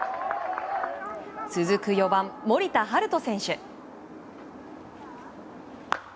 続く４番、森田大翔選手。